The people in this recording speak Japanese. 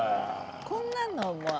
こんなのは。